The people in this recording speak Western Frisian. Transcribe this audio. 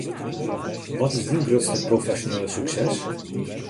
Wat is dyn grutste profesjonele sukses?